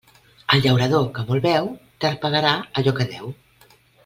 El llaurador que molt beu, tard pagarà allò que deu.